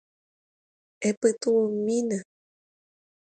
Epytu'umína.